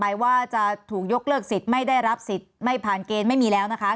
หมายว่าจะถูกยกเลิกสิทธิ์ไม่ได้รับสิทธิ์ไม่ผ่านเกณฑ์ไม่มีแล้วนะคะ